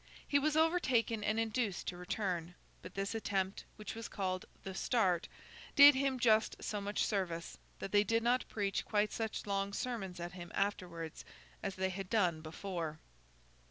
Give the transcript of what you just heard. He was overtaken and induced to return; but this attempt, which was called 'The Start,' did him just so much service, that they did not preach quite such long sermons at him afterwards as they had done before.